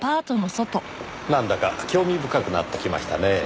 なんだか興味深くなってきましたねぇ。